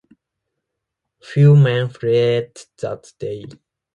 Few men fled that day.